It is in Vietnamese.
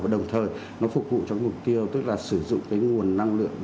và đồng thời nó phục vụ cho cái mục tiêu tức là sử dụng cái nguồn năng lượng